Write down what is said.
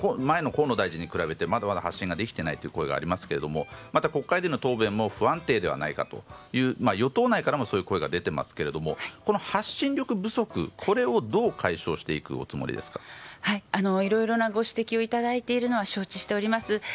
前の河野大臣に比べてまだまだ発信ができていないという声がありますが、また国会での答弁も不安定ではないかという与党内からもそういう声が出ていますがこの発信力不足をどう解消していくいろいろなご指摘をいただいているのは承知しております。